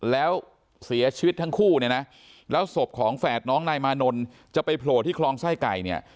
แล้วเสียชีวิตทั้งคู่เนี่ยนะแล้วศพของแฝดน้องนายมานนท์จะไปโผล่ที่คลองไส้ไก่เนี่ย